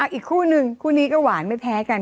อีกคู่นึงคู่นี้ก็หวานไม่แพ้กัน